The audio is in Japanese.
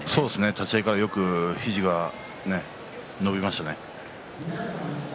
立ち合いから肘がよく伸びましたね。